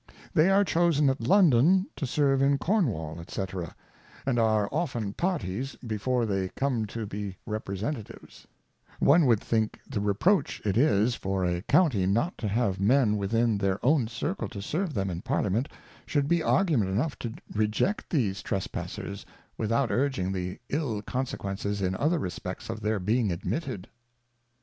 They are chosen at London to serve in Cornwall, &c. and are 156 Cautions for Choice of are often Parties^ before they come to be Representatives : One would think the Reproach it is for a County not to have Men within their own Circle to serve them in Parliament, should be Argument enough to reject these Trespassers, without urging the ill Consequences in other Respects of their being admitted.